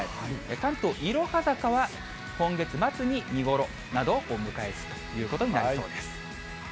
関東、いろは坂は今月、見頃などを迎えるということになりそうです。